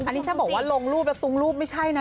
อันนี้ถ้าบอกว่าลงรูปแล้วตุ้งรูปไม่ใช่นะ